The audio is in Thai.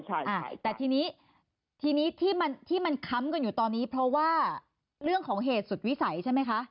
ใช่แต่ทีนี้ทีนี้ที่มันค้ำกันอยู่ตอนนี้เพราะว่าเรื่องของเหตุสุดวิสัยใช่ไหมคะ